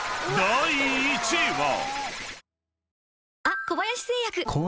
［第１位は］